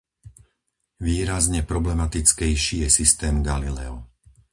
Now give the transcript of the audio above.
Výrazne problematickejší je systém Galileo.